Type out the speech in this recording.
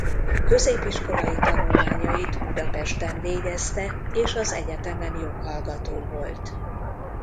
Középiskolai tanulmányait Budapesten végezte és az egyetemen joghallgató volt.